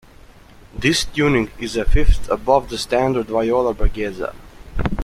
This tuning is a fifth above the standard Viola braguesa.